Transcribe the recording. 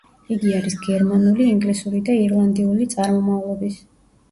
იგი არის გერმანული, ინგლისური და ირლანდიური წარმომავლობის.